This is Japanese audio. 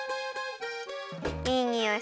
いいにおい！